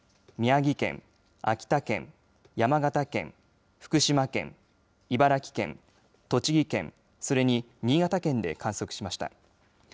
宮城県、秋田県山形県福島県茨城県栃木県、それに新潟県で観測しました。